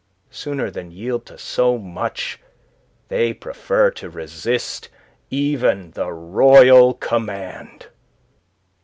"Sooner than yield to so much they prefer to resist even the royal command."